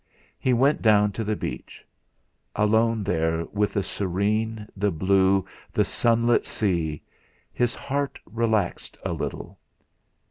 He went down to the beach. Alone there with the serene, the blue, the sunlit sea, his heart relaxed a little.